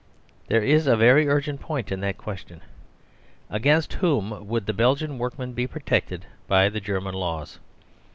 There is a very urgent point in that question, "Against whom would the Belgian workmen be protected by the German laws?"